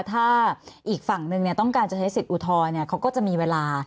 ถ้าอีกฝั่งนึงต้องการจะใช้สิทธิอุทธรณ์เขาก็จะมีเวลา